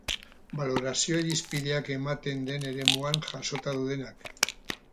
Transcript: Balorazio-irizpideak, ematen den ereduan jasota daudenak.